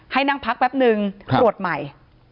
ให้นั่งพักแป๊บนึงตรวจใหม่